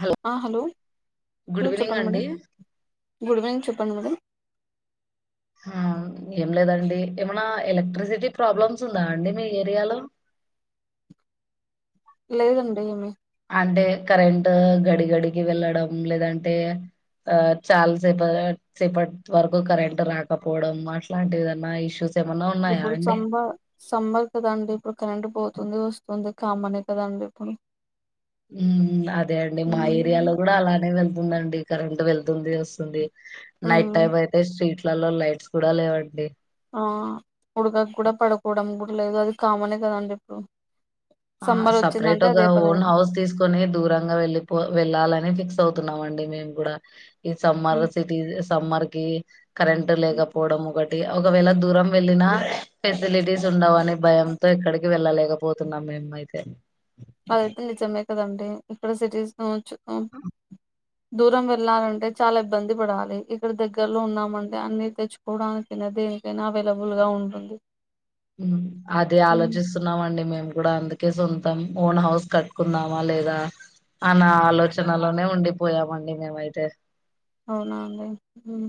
Hello hello good evening చెప్పండి madam అండి good evening చెప్పండి మెడమ్ ఆ ఏం లేదండి ఏమనా ఎలక్ట్రిసిటీ ప్రాబ్లమ్స్ ఉందా అండి మీ ఏరియాలో లేదండి ఏమి అంటే కరెంట్ గడి గడికి వెళ్ళడం లేదంటే ఆ చాలా సేప సేపట్ వరకు కరెంట్ రాకపోవడం అట్లాంటి ఎదన ఇష్యూస్ ఏమన్నా ఉన్నాయా ఇప్పుడు అండి సమ్బర్ సమ్మర్ కదండి ఇప్పుడు కరెంట్ పో ఉంది వస్తుంది కామనే కదండి ఇప్పుడు ఉం అదే అండి మా ఏరియాలో ఉమ్ గూడ అలానే వెళ్తా ఉందండి కరెంట్ వెళ్తుంది వస్తుంది నైట్ టైమ్ అయితే స్రీట్ ఇలలో లైట్స్ కూడా లేవండి ఆ ఉడకకు కూడా పడుకోవడం కూడా లేదు అది కామనే కదండి ఇప్పుడు ఆ సమ్మర్ వచ్చిందంటే సపరేటుగ అదే ఒక పని ఓన్ హౌస్ తీసుకొని దూరంగా వెళ్ళిపో వెళ్ళాలని ఫిక్స్ అవుతు తున్నామండి మేము గుడా ఈ సమ్మర్ హ్మ్. సిటీ సమ్మర్కి కరెంట్ హ్మ్. లేకపోవడం ఒక ఒకవేళ దూరం వెళ్ళినా ఫెసిలిటీస్ ఉండవు అని భయంతో ఎక్కడికి వెళ్ళలేకపోతున్నాం మేము మయితే అదైతె నిజమె కదండి ఇక్కడ సిటీస్ కావచ్చు అ దూరం వెళ్ళాలంటే చాలా ఇబ్బంది పడాలి ఇక్కడ దగ్గరలో ఉన్నామంటే అన్ని తెచ్చుకోవడానికైనా దేనికైనా అవైలబుల్ గా ఉంటుంది అదె హ్మ్. ఆలోచిస్తున్నామండి మేమ్ కూడా అందుకే సొంత తం ఓన్ హౌస్ కట్టుకుందామా లేదా అన ఆలోచనలోనే ఉండిపోయామండి మేమైతే అవునా అండి మ్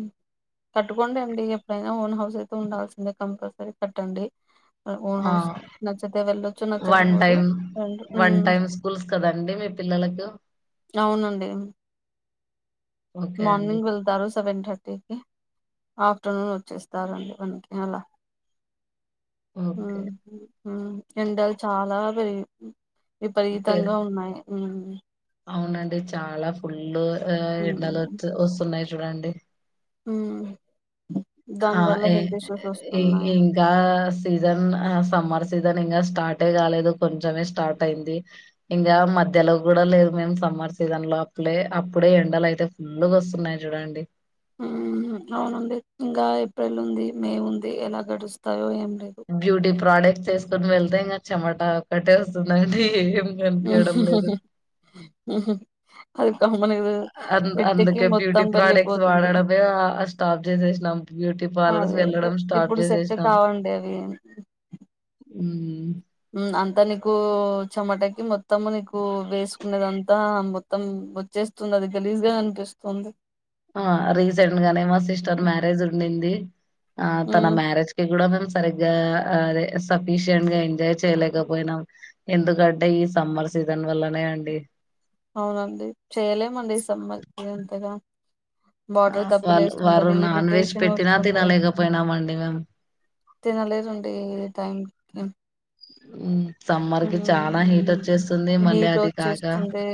కట్టుకోండి అండి ఎప్పుడైనా ఓన్ హౌస్ అయితే ఉండాల్సిందే కంపల్సరీ కట్టండి ఓన్ ఆ! హౌస్ నచ్చితె వెళ్ళొచ్చు వన్ నచ్చకపోతే టైమ్, వన్ టైమ్ స్కూల్స్ కదండీ మీ పిల్లలకు? అవునండి ఓకే అండి. మార్ర్నింగ్ వెళ్తారు సెవెన్ థర్టీకి ఆఫ్టర్నూన్ వచ్చేస్తారండి మనకి అలా ఓకే మ్ మ్ ఎండాలు చాలా [unintelligible] పె విపరీతంగా ఉన్నాయి మ్మ్ అవునండి చాలా ఫుల్లు ఆ ఉమ్ ఎండలొచ్చు వస్తున్నయ్ చూడండి మ్మ్ ఆ ఏ ఇ వస్తున్నాయి ఇంకా సీజన్ ఆ సమ్మర్ సీజన్ ఇంకా స్టార్టే గాలేదు కొంచమే స్టార్ట్ అయింది, ఇంగా మధ్యలో గూడా లేదు మేము సమ్మర్ సీజన్ లో అప్పులేే అప్పుడే ఎండలైతే ఫుల్లుగొస్తున్నాయి జూడండి. ఆ అవునండి ఇంగా ఏప్రెలుంది మే ఉంది ఎలా గడుస్తాయో ఏమో బ్యూటీ ప్రోడక్ట్ చేసుకుని వెళ్తే ఇంగ చెమట ఒక్కటే వస్తుందండి ఊ హు [unintelligible] అన్ అందుకే బ్యూటీ ప్రోడక్ట్స్ వెళ్ళిపోతుంది వాడడమే ఆ స్టాప్ చేసేసినాం, బ్యూటీ పార్లర్స్ అదే అదే వెళ్ళడం స్టాప్ ఇప్పుడు సెట్ చేసేసినాం! కావండి అవి మ్మ్ అంతా నీకు చెమటకి మొత్తం నీకు వేసుకునేదంతా మొత్తం వచ్చేస్తుందది, గలీజ్గా అనిపిస్తుంది. ఆ! రీసెంట్ గానే మా సిస్టర్ మ్యారేజ్ ఉండింది. ఆ తన మ్యారేజ్ కి గుడ [unintelligible] సరిగ్గా అదే సఫీషియంట్ గా ఎంజాయ్ చేయలేకపోయినాం ఎందుకంటే ఈ సమ్మర్ సీజన్ వల్లనే అండి. అవునండి చేయలేమండి సమ్మర్ కీ అంతగా ఆ! బాటర్ దబి వాళ్ళు వారు లేస్తుంటది నాన్ వెజ్ ఇరిటేషన్ పెట్టినా వస్తుంటది తినలేకపోయినామండి మేము. తినలేదండి ఈ టైం ఉ మ్మ్ సమ్మర్ కి చాలా హీట్ వచ్చేస్తుంది మళ్ళీ హీట్ అది కాక వచ్చేస్తుంది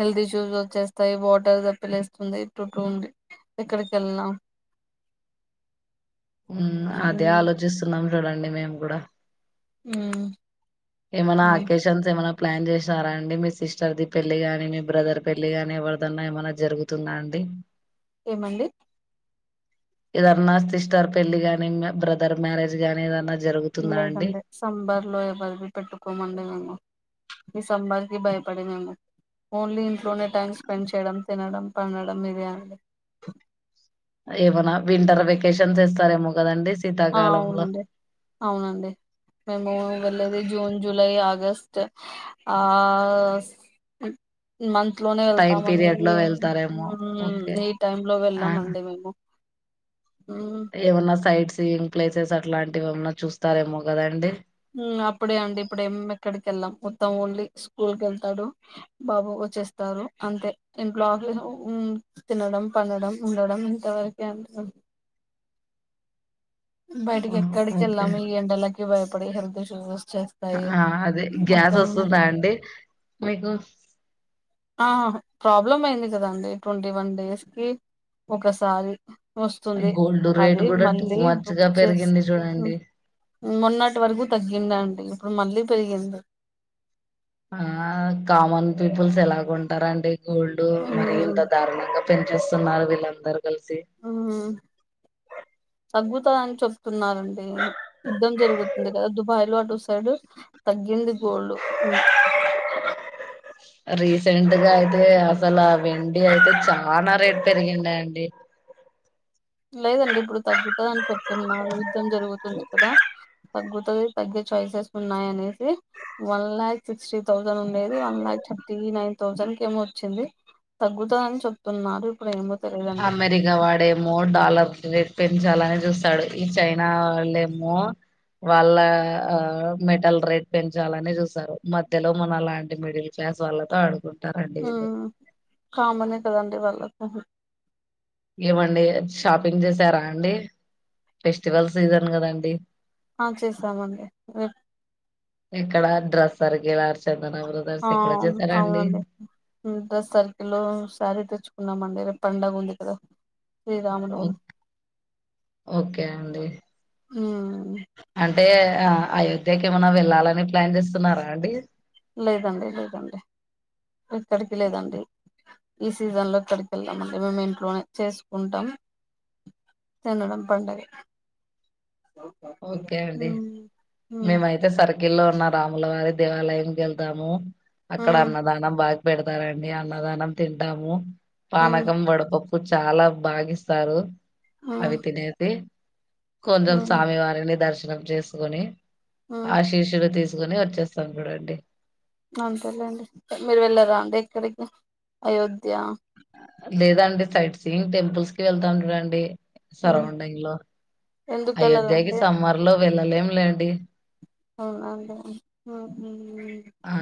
హెల్త్ ఇష్యూస్ వచ్చేస్తాయి వాటర్ దప్పిలేస్తుంది టుటూ ఉండి ఎక్కడికెళ్ళిన హ్మ్ అదే ఆలోచిస్తున్నం టుడండి మేము గుడా మ్మ్ ఏమన అకేషన్స్ ఏమన ప్లాన్ చేసారా అండి మీ సిస్టర్ది పెళ్లిగాని, మీ బ్రదర్ పెళ్లి గాని ఎవరిదన్నా ఏమన్నా జరుగుతుందా అండి. ఏమండి ఇదన్నా సిస్టర్ పెళ్లి గాని ఇంగా బ్రదర్ మ్యారేజ్ గాని ఏదన్నా జరుగుతుందా అండి లేదండి సంబర్ లో ఎవ్వర్వి పెట్టుకోమండి మేము ఈ సంబాధికి భయపడి మేము, ఓన్లీ ఇంట్లోనే టైం స్పెండ్ చేయడం తినడం పండడం ఇదే అండి. ఏమనా వింటర్ వెకేషన్స్ ఇస్తారేమో గదండి ఆ అవునండి అవునండి మేము వెళ్ళేది జూన్ జ్ జూలై ఆగస్ట్ ఆ స్ మంత్ ట్లోనే టైం వెళ్తామండి [inaudible] పీరియడ్ లో వెళ్తారేమో ఓకే ఉమ్ ఈ టైమ్ లో ఆ వెళ్ళమండి మేము ఏమన్నా సైట్ సీయింగ్ ప్లేసెస్ అట్లాంటివి ఏమన్నా చూస్తారేమో కదండి. ఉమ్ అప్పుడే ఉంది. ఇప్పుడేం ఎక్కడికెళ్ళం మొత్తం ఓన్లీ స్కూల్కి వెళ్తాడు బాబు వచ్చేస్తారు అంతే ఇంట్లో ఆఫీసు ఉమ్ తినడం పండడం ఉండడం ఇంతవరకే [unintelligible] బయటికి హ్మ్. ఎక్కడికి ఓకే వెళ్ళాము ఈ ఎండలకి బయ పడి హెర్దుచూస్ ఆ అదే గ్యాస్ వస్తుందా అండి మీకు ఆ ప్రాబ్లమ్ అయింది కదాండి ట్వంటీ వన్ డేస్ కి ఒకసారి వస్తుంది గోల్డ్ రేట్ అది కూడా టూ మళ్ళీ మచ్ బుక్ గా చేస్ పెరిగింది ఉ చూడండి మొన్నటి వరకు తగ్గిందన్ ఇప్పుడు మళ్ళీ పెరిగింది ఆ కామన్ పీపుల్స్ ఎలా కొంటరండి గోల్డు మరి ఉమ్ ఇంత దారుణంగా పెంచేస్తున్నారు వీళ్ళందరూ కలిసి హ్మ్ తగ్గుద్ తది అని చెప్తున్నారండి. ఉహు యుద్ధం జరుగుతుంది కదా దుబాయ్ లో అటు సైడ్ తగ్గింది గోల్డు ఉ రీసెంట్గా అయితే అసల్ ఆ వెండి అయితే చానా రేట్ పెరిగిందండి. లేదండి ఇప్పుడు తగ్గుతది అని చొప్తున్నారు యుద్ధం జరుగుతుంది కదా తగ్గుతది తగ్గే చాయిసెస్ ఉన్నాయి అనేసి వన్ లాక్ సిక్స్టీ థౌసండ్ ఉండేది one lakh thirty nine thousand కేమో వచ్చింది. తగ్గుతది అని చెప్తున్నారు ఇప్పుడు ఏమో తెలియదండి అమెరికా వాడేమ్ మో డాలర్ రేట్ పెంచాలని చూస్తాడు. ఈ చైనా వాళ్ళేమో వాళ్ళా ఆ మెటల్ రేట్ పెంచాలని చూస్తారు. మధ్యలో మన లాంటి మిడిల్ క్లాస్ వాళ్ళతో ఆడుకున్ ఉమ్ కామనే కదండి వాళ్ళకు ఏవండీ షాపింగ్ చేసారా? అండి ఫెస్టివల్ సీజన్ కదండి అవున్ చేసామండి మీర్ ఇక్కడ డ్రస్ అరిగేలార్చర్ ఆ అవున్ అవునండి డ్రెస్ సర్కిల్లో సారీ తెచ్చుకున్నామండి రేప్ పండగ ఉంది కదా శ్రీరామనవమి ఓక్ ఓకె అండి ఉమ్ అల్ టే ఆ అయోధ్యకి ఏమైనా వెళ్ళాలని ప్లాన్ చేస్తున్నారా అండి లేదండి లేదండి ఎక్కడికి లేదండి ఈ సీజన్ లో ఎక్కడికి వెళ్లం అండి మేము ఇంట్లోనే చేసుకుంటాం. తినడం పండగే ఓకే అండి ఉమ్ ఉమ్ మేమయితే సరిగ్ ఇల్లో ఉన్న రాములవారి దేవాలయంకి వెళ్తాము అక్కడ ఉమ్ అన్నదానం బాగ్ పెడతారండి అన్నదానం తింటాము. ఉమ్ పానకం వడపప్ చాలా బాగిస్తారు అవి తినేతే ఆ వారిని దర్శనం చేసుకొని ఉమ్ ఆశీరవ తీ సుకుని వచ్చేస్తారు చూడండి అంతేలేండి మీరు వెళ్ళరా అండి ఎక్కడికి అయోధ్య లేదండి సైట్ సీయింగ్ టెంపుల్స్ కి వెళ్తా ఉంటడండి ఉమ్ సరోండింగ్ లో ఎందుకు అయోధ్యకి వెళ్ళరండి సమ్మర్లో వెళ్ళలేం లేండి అవునా అదే ఆ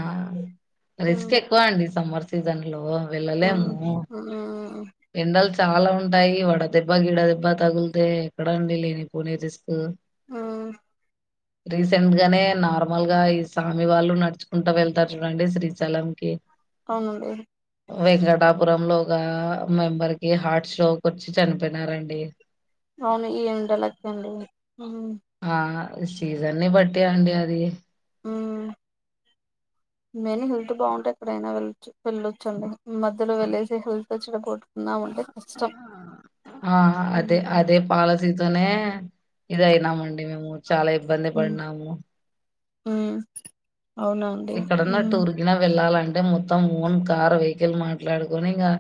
రిస్క్ ఎక్కువ అండి సంవర్ సీజన్లో వెళ్ళలేము ఉమ్ ఎండల్ చాలా ఉంటాయి. వడదెబ్బ గీడ దెబ్బ తగులితే, ఎక్కడండి లేని పోని రిస్క్. ఆ రీసెంట్ గానే నార్మల్ గా ఈ సామి వాళ్ళు నడుచు కుంటా వెళ్తారు చూడండి శ్రీశైలంకి అవునండి వెంకటాపురంలో ఒగా మెంబర్కి హార్ట్ స్ట్రోక్ వచ్చి చనిపోయినారండి. అవును ఈ ఎండలకి అండి. ఆహా సీజన్ని బట్టి అండి అది. ఉమ్ మేన్ హెల్త్ బాగుంటే ఎక్కడైనా వెళ్ళచ్చు. వెళ్ళొచ్చు అండి. మధ్యలో వెళ్లేసి హెల్త్ ఎచ్చడ కొట్టుకుందం అంటే కష్టం. ఆ అదే ఉమ్ అదే పాల తోనే ఇది అయినామండి మేముగూడ చాలా ఇబ్బంది పడినాము. ఉ ఎక్కడన్నా టూర్కిన వెళ్ళాలండ్ అంటే మొత్తం ఓన్ కార్ వెహికల్ మాట్లాడుకొని, ఇంగా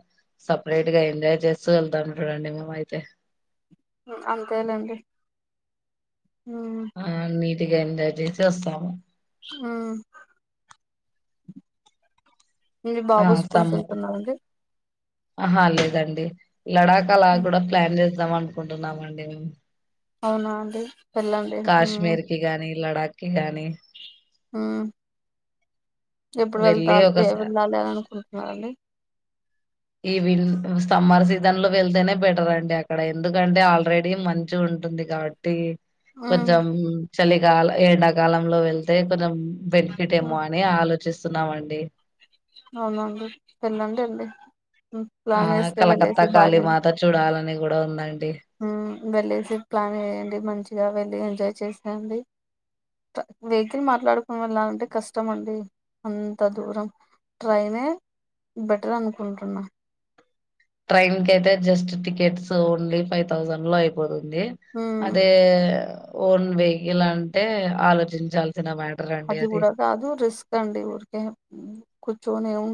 సపరేట్ గా ఎంజాయ్ చేస్తూ వెళ్తాం చూడండి. మేమ అయితే అంతేలేండి ఉమ్ ఆ మీ గట్టిగా ఎంజాయ్ చేసి వస్తాము. ఆ మీ ఆ బాబు స్కూల్కి సమ్మర్ వెళ్తున్నాడండి ఆహా లేదండి లడాకా లా కూడా ప్లాన్ చేజే దమ అనుకుంటునామండి అవునా అండి వెళ్ళండి కాశ్మీర్కి గానీ లడాక్కి గానీ హ్మ్మ్ ఎప్పుడ్ వెళ్తా వెళ్ళి ఏ వెళ్ళాలి ఒకసారి అని అనుకుంటున్నారండి ఈ విన్ సమ్మర్ సీజన్ లో వెళ్తేనే బెటర్ అండి అక్కడ ఎందుకంటే ఆల్రెడీ మంచు ఉంటుంది కాడ్ టి ఉమ్ కొంచెం చలి గాల్ ఎండాకాలంలో వెళ్తే కొంజః బెనిఫిట్ ఏమో అని ఆలో చెసున్నామండి అవునా అండి వెల్లండి ఎండి ఆ కలకత్తా కాళీమాత చూడాలని కూడా ఉందా హ్మ్మ్ వెళ్ళేసి ప్లాన్ వెయ్యండి మంచిగా వెళ్ ఎంజాయ్ చేసాయండి వెహికల్ మాట్లాడుకోవాలంటే కష్టమండి అంత దూరం ట్రైనే బెటర్ అనుకుంటున్నా ట్రైన్ కై అయితే just tickets only five thousand లో అయిపో ది హ్మ్ అదే ఓన్ వెహికల్ అంటే ఆలోచించాలి అది కూడా కాదు రిస్క్ అండి ఊరికే కుచ్చోనే వు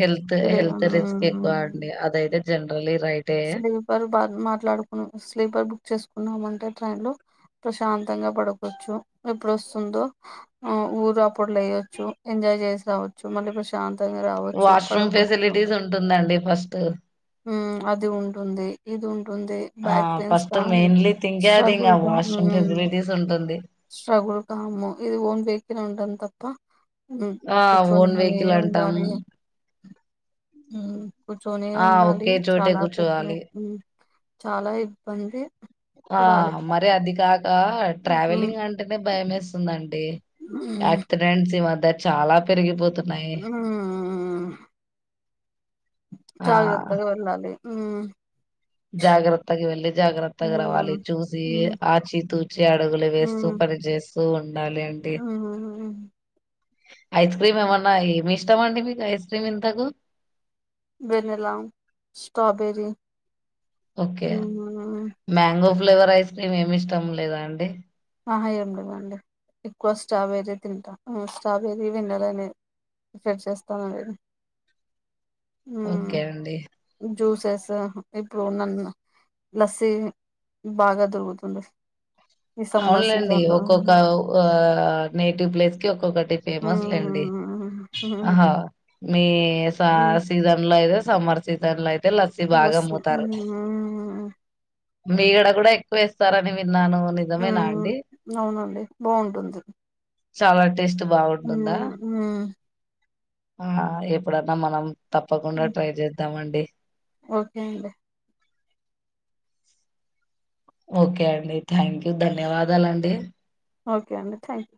హెల్త్ హెల్త్ రిస్క్ ఎక్కువ అండి అదయితే జనరలి రైట్ స్లీపర్ బ మాట్లాడుకున్ స్లీపర్ బుక్ చేసుకున్నామ అంటే ట్రైన్ లో ప్రశాంతంగా పడకోచ్చు, ఎప్పుడు వస్తుందో ఊరు అప్పుడు లేయొచ్చు, ఎంజాయ్ చేస్తా వచ్చు మళ్ళీ ప్రశాంత. వాష్రూమ్ ఫెసిలిటీస్ ఉంటుందండి ఫస్ట్ హ్మ్మ్ అది ఉంటుంది ఇది ఉంటుంది. ఆ బ్యాక్ పెయిన్స్ ఫస్ట్ కానీ, మెయిన్లీ థింక్ అది స్ట్రగుల్ ఇంకా కా వాష్రూమ్ హ్మ్. ఫెసిలిటీస్ ఉంటుంది. స్ట్రగుల్ కాము ఇది ఓన్ బ ఉంటది తప్ప ఆ కుచ్చోని ఓన్ అవే వెహికల్ అంటాం రావి హ్మ్మ్ కూర్చొనే ఆ ఉండాలి ఒకే చోటే చాలా పెద్ద కూర్చోవాలి చాలా ఇబ్బంది. ఆ పడాలి. మరి అది కా ఆ హ్మ్. ట్రావెలింగ్ అంటేనే భయం వేస్తుందండి హ్మ్. యాక్సిడెంట్స్ ద చాల పెరిగిపోతుంది ఊ హ జాగ్రత్తగ వెళ్లాలి ఉమ్ జాగ్రత్తగ వెళ్ళి జాగ్రత్తగా రావాలి హ్మ్. చూసి హ్మ్. ఆచి తూచి అడుగులు వేస్తూ హ్మ్. పని చేేస్తూ ఉండాలి అండి హ్మ్. ఐస్ క్రీమ్ ఏమన్న ఏమి ఇష్టం అండి మీకు ఐస్ క్రీమ్ ఇంతకు వెెన్నెలా స్పాబెర్రీ ఒకే మ్యాంగో ఫ్లేవర్ ఐస్ క్రీమ్ ఏమి ఇష్టం లేదా అండి అహ ఏం లేదండి ఎక్కువ స్ట్రాబెర్రీ తింటా స్ట్రాబెర్రీ వెన్నాలనే ప్రిపేర్ చేస్తానండి మ్ ఓకె అండి జ్యూసెస్ ఇప్పుడు ఉన్నన్ లస్సిీ బాగ దొరుకుతుంది ఈ సమ్మర్ అవున్లేండి సీజన్ లో ఒక్కొక్క నేటివ్ ప్లేస్ కి ఒక్కొక్కటి మ్ ఫేమస్ లేండి మ్ అహ మీ మ్ సీజన్ లో లో ఏదో సమర్ సీజన్ లో అయితే అయితే లస్సీ బాగ లస్సీ ముతారు మ్ మీగడ కూడ ఎక్కువ వేస్తారని విన్నాను నిజమేనా అండి? హుమ్ అవునండి బాగుంటుంది చాలా టేస్ట్ బాగుంటుందా ఆ ఎప్పుడన్న మనం తప్పకుండ ట్రై చేద్దామండి ఎ ఓకే అండి ఓకె అండి థ్యాంక్ యూ ధన్యవాదాలండి ఓకే అండి థ్యాంక్